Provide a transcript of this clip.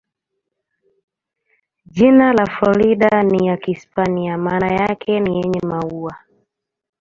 Jina la Florida ni ya Kihispania, maana yake ni "yenye maua".